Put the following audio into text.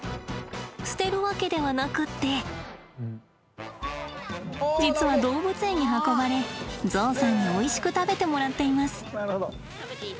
捨てるわけではなくって実は動物園に運ばれゾウさんにおいしく食べてもらっています。